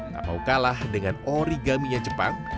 tak mau kalah dengan origaminya jepang